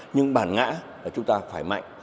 nhưng bản ngã là chúng ta phải mạnh